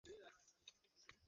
জায়গাটা এতো অপরিষ্কার কেন?